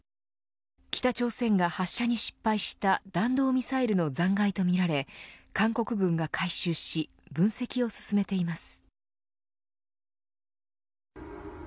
北朝鮮が発射に失敗した弾道ミサイルの残がいとみられ、韓国軍が回収し分析を進めています。